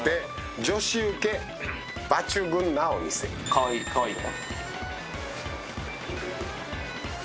かわいい、かわいい。